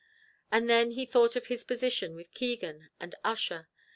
And then he thought of his position with Keegan and Ussher.